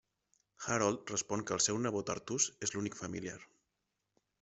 Harold respon que el seu nebot Artús és l'únic familiar.